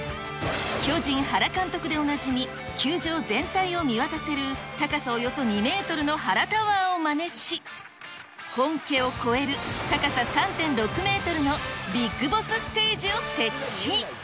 巨人、原監督でおなじみ、球場全体を見渡せる、高さおよそ２メートルの原タワーをまねし、本家を超える、高さ３．６メートルのビッグボスステージを設置。